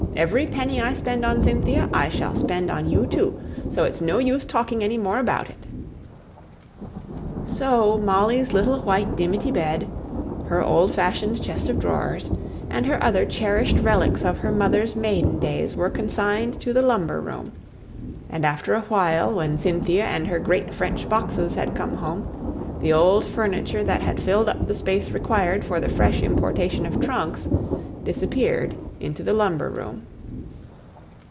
Every penny I spend on Cynthia I shall spend on you too; so it's no use talking any more about it." So Molly's little white dimity bed, her old fashioned chest of drawers, and her other cherished relics of her mother's maiden days, were consigned to the lumber room; and after a while, when Cynthia and her great French boxes had come home, the old furniture that had filled up the space required for the fresh importation of trunks, disappeared likewise into the same room.